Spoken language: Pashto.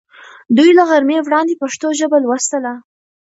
دوی له غرمې وړاندې پښتو ژبه لوستله.